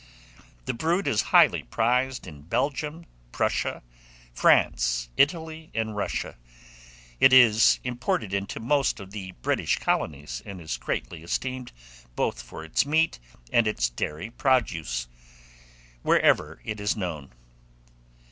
The brood is highly prized in Belgium, Prussia, France, Italy, and Russia; it is imported into most of the British colonies, and is greatly esteemed both for its meat and its dairy produce, wherever it is known.